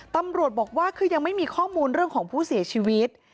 ตำรวจบอกว่าคือยังไม่มีข้อมูลเรื่องของผู้เสียชีวิต